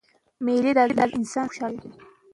زه هڅه کوم چې شراب او سګرېټ پرېږدم.